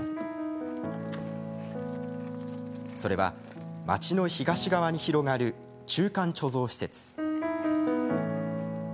それは町の東側に広がる中間貯蔵施設。